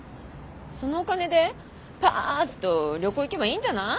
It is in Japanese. そのお金でパッと旅行行けばいいんじゃない？